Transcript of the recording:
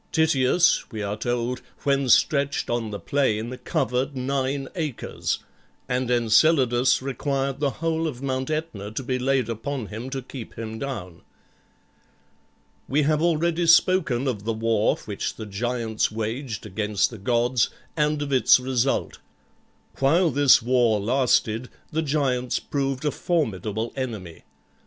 Tityus, we are told, when stretched on the plain, covered nine acres, and Enceladus required the whole of Mount Aetna to be laid upon him to keep him down. We have already spoken of the war which the giants waged against the gods, and of its result. While this war lasted the giants proved a formidable enemy.